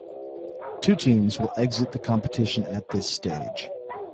Two teams will exit the competition at this stage.